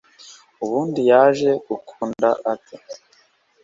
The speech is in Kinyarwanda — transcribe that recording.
ubundi yaje gukunda ate